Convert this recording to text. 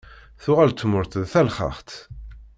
Tuɣal tmurt d talexxaxt.